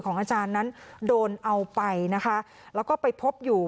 อาจารย์นั้นโดนเอาไปนะคะแล้วก็ไปพบอยู่